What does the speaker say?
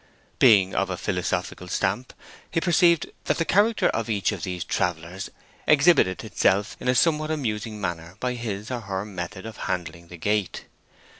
Being of a philosophical stamp, he perceived that the character of each of these travellers exhibited itself in a somewhat amusing manner by his or her method of handling the gate.